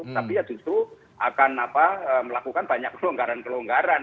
tapi ya justru akan melakukan banyak kelonggaran kelonggaran